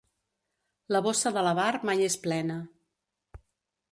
La bossa de l'avar mai és plena.